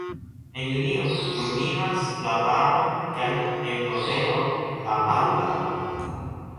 En junio kulminas la varmo kaj en novembro la malvarmo.